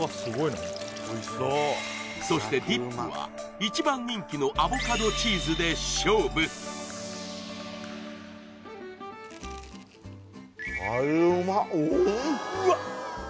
そしてディップは一番人気のアボカドチーズで勝負うわっ